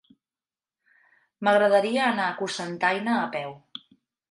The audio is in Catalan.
M'agradaria anar a Cocentaina a peu.